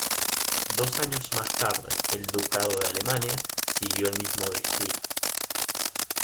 Dos años más tarde el ducado de Alemania siguió el mismo destino.